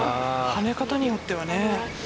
はね方によってはね。